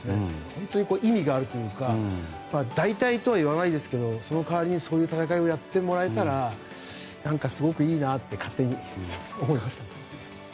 意味があるというか代替とはいいませんがその代わりにそういう大会をやってもらえたらすごくいいなって勝手に思いますね。